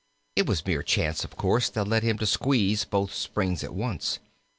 It was mere chance, of course, that led him to squeeze both springs at once.